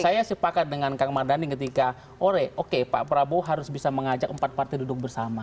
saya sepakat dengan kang mardhani ketika ore oke pak prabowo harus bisa mengajak empat partai duduk bersama